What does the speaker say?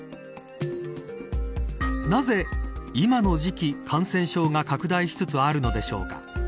なぜ今の時期感染症が拡大しつつあるのでしょうか。